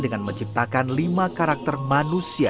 dengan menciptakan lima karakter manusia